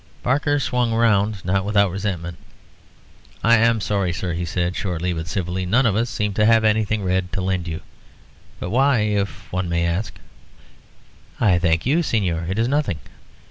Barker swung round, not without resentment. "I am sorry, sir," he said, shortly but civilly, "none of us seem to have anything red to lend you. But why, if one may ask " "I thank you, Señor, it is nothing.